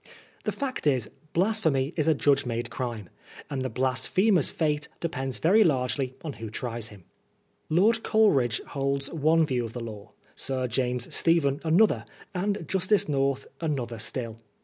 The fact is, blas phemy is a judge made crime, and the " blasphemer's " fate depends very largely on who tries him. Lord Coleridge holds one view of the law, Sir James Stephen another, and Justice North another still.